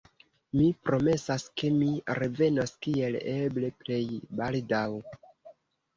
Mi promesas, ke mi revenos kiel eble plej baldaŭ.